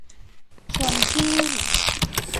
ชวนชื่น